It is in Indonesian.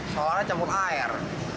solarnya campur air